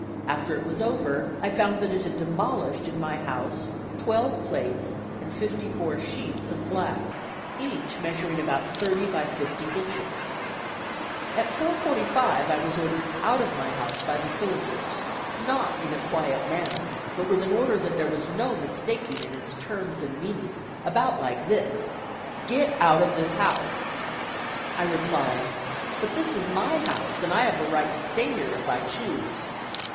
After it was over I found that it had demolished in my house twelve plates and fifty four sheets of glass, each measuring about thirty by fifty inches. At 4:45 1 was ordered out of my house by the soldiers, not in a quiet manner, but with an order that there was no mistaking its terms and meaning, about like this: "Get out of this house!" I replied: "But this is my house and I have a right to stay here if I choose."